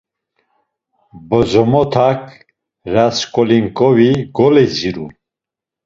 Bozomotak Rasǩolnikovi goleziru.